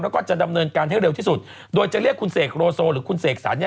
แล้วก็จะดำเนินการให้เร็วที่สุดโดยจะเรียกคุณเสกโลโซหรือคุณเสกสรรเนี่ย